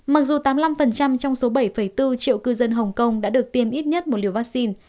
mặc dù tám mươi năm trong số bảy bốn triệu cư dân hồng kông đã được tiêm ít nhất một liều vaccine